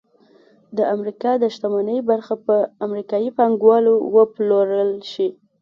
د امریکا د شتمنۍ برخه په امریکايي پانګوالو وپلورل شي